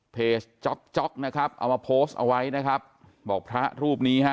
จ๊อกจ๊อกนะครับเอามาโพสต์เอาไว้นะครับบอกพระรูปนี้ฮะ